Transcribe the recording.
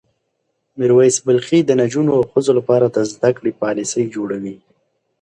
میر ویس بلخي د نجونو او ښځو لپاره د زده کړې پالیسۍ جوړوي.